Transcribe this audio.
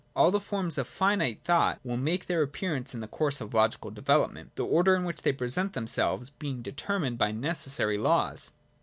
All the forms of finite thought will make their appearance in the course of logical development, the order in which they present themselves being determined by necessary laws.